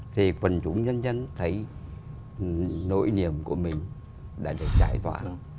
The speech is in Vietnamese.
thì phần chủ nhân dân thấy nỗi niềm của mình đã được giải thoát